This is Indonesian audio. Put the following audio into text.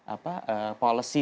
untuk hadir di indonesia